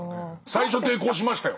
最初抵抗しましたよ。